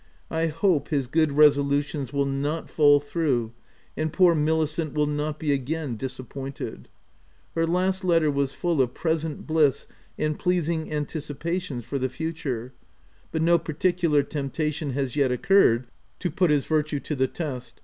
I hope his good resolutions will not fall through, and poor Milicent will not be again disappointed. Her last letter was full of present bliss and pleasing anticipations for the future ; but no particular temptation has yet occurred to put his virtue to the test.